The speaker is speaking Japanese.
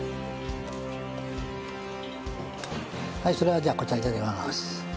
はいそれはじゃあこちら頂きます。